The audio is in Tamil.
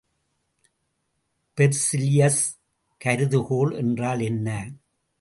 பெர்சிலியஸ் கருதுகோள் என்றால் என்ன?